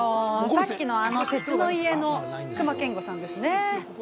さっきの、あの「鉄」の家の隈研吾さんですね。